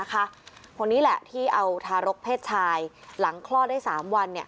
คนนี้แหละที่เอาทารกเพศชายหลังคลอดได้๓วัน